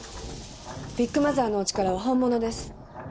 ビッグマザーのお力は本物です。